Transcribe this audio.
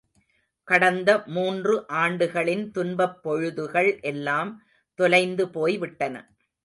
கடந்த மூன்று ஆண்டுகளின் துன்பப் பொழுதுகள் எல்லாம் தொலைந்து போய் விட்டன.